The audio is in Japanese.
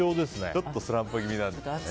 ちょっとスランプ気味なんですかね。